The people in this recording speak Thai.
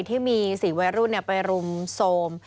ที่มี๔วัยรุ่นไปหนูหว่ายส่วม